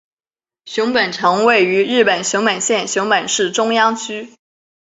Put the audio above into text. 熊本城位于日本熊本县熊本市中央区。